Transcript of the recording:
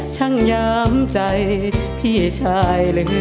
ชั้นยามใจพี่ชายเหลือเจน